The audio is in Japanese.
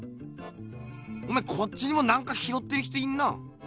おめぇこっちにもなんか拾ってる人いんな。